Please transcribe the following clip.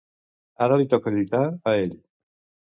Ara li toca lluitar a ell.